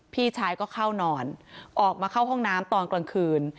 พี่ชายก็เข้านอนออกมาเข้าห้องน้ำตอนกลางคืน